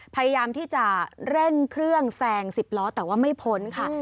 พยายามที่จะเร่งเครื่องแซง๑๐ล้อแต่ว่าไม่พ้นค่ะ